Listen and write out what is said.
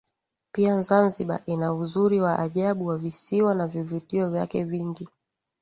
Pia Zanzibar ina uzuri wa ajabu wa visiwa na vivutio vyake vingi